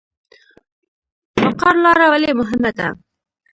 مقر لاره ولې مهمه ده؟